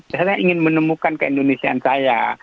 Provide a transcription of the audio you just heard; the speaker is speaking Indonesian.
saya ingin menemukan keindonesiaan saya